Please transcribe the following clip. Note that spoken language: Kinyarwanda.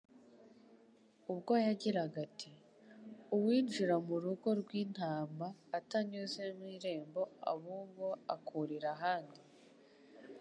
ubwo yagiraga ati: "Uwinjira mu rugo rw'intama atanyuze mu irembo abubwo akuririra ahandi,